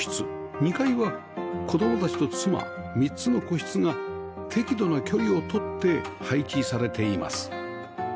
２階は子供たちと妻３つの個室が適度な距離を取って配置されています